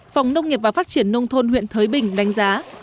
phòng nông nghiệp và phát triển nông thôn huyện thới bình đánh giá